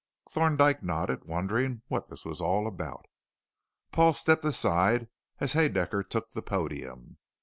Thorndyke nodded, wondering what this was all about. Paul stepped aside as Haedaecker took the podium.